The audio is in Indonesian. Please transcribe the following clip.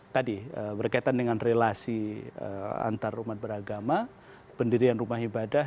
tadi berkaitan dengan relasi antarumat beragama pendirian rumah ibadah